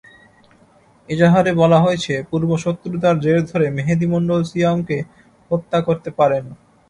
এজাহারে বলা হয়েছে, পূর্বশত্রুতার জের ধরে মেহেদী মণ্ডল সিয়ামকে হত্যা করতে পারেন।